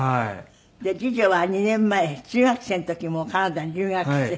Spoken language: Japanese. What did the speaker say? で次女は２年前中学生の時もうカナダに留学して。